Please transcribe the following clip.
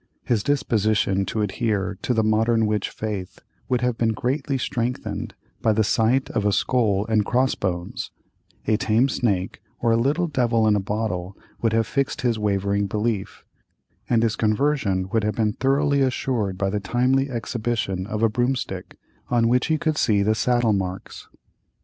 His disposition to adhere to the modern witch faith would have been greatly strengthened by the sight of a skull and cross bones; a tame snake, or a little devil in a bottle, would have fixed his wavering belief; and his conversion would have been thoroughly assured by the timely exhibition of a broomstick on which he could see the saddle marks.